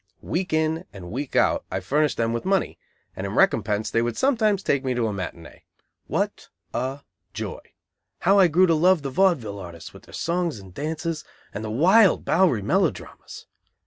Week in and week out I furnished them with money, and in recompense they would sometimes take me to a matinée. What a joy! How I grew to love the vaudeville artists with their songs and dances, and the wild Bowery melodramas!